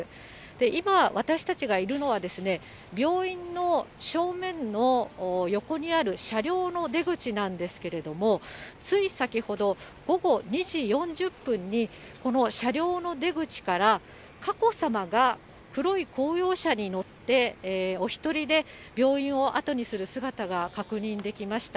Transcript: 今、私たちがいるのは、病院の正面の横にある車両の出口なんですけれども、つい先ほど、午後２時４０分にこの車両の出口から、佳子さまが黒い公用車に乗って、お１人で病院を後にする姿が確認できました。